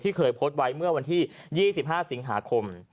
เคยโพสต์ไว้เมื่อวันที่๒๕สิงหาคม